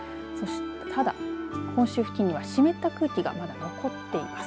ただ本州付近には湿った空気がまだ残っています。